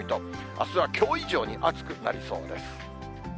あすはきょう以上に暑くなりそうです。